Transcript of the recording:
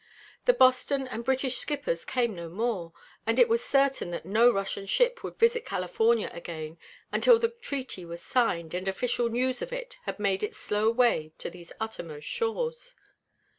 The Boston and British skippers came no more, and it was certain that no Russian ship would visit California again until the treaty was signed and official news of it had made its slow way to these uttermost shores.